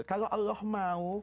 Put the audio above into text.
kalau allah mau